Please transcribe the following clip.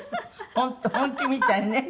本当本気みたいね。